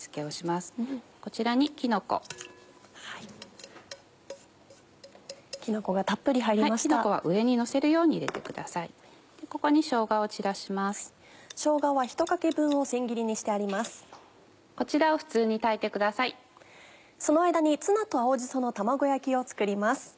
その間にツナと青じその卵焼きを作ります。